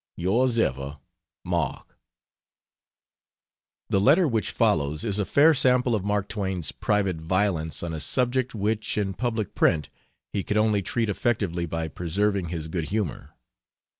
Ys Ever MARK The letter which follows is a fair sample of Mark Twain's private violence on a subject which, in public print, he could only treat effectively by preserving his good humor.